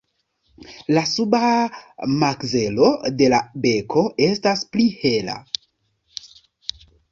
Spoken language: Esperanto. La suba makzelo de la beko estas pli hela.